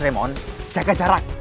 saya mohon jaga jarak